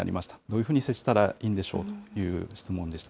どういうふうに接したらいいんでしょうという質問でした。